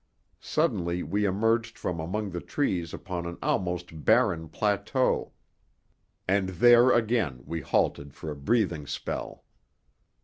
Suddenly we emerged from among the trees upon an almost barren plateau, and there again we halted for a breathing spell.